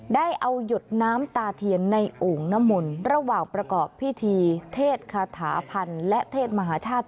ได้เอาหยดน้ำตาเทียนในโอ่งน้ำมนต์ระหว่างประกอบพิธีเทศคาถาพันธ์และเทศมหาชาติ